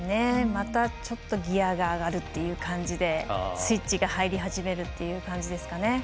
また、ちょっとギヤが上がるっていう感じでスイッチが入り始めるって感じでしょうか。